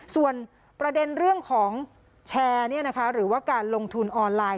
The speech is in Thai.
ส่วนประเด็นเรื่องของแชร์หรือว่าการลงทุนออนไลน